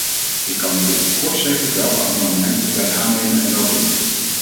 Ik kan nog in het kort zeggen welke amendementen wij aannemen en welke niet.